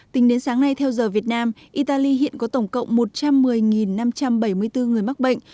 tính đến sáng nay theo giờ việt nam italy hiện có tổng cộng một trăm một mươi năm trăm bảy mươi bốn người mắc bệnh